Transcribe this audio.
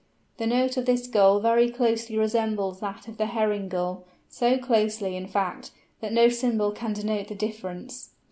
The note of this Gull very closely resembles that of the Herring Gull, so closely, in fact, that no symbol can denote the difference.